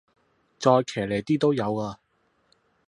再騎呢啲都有啊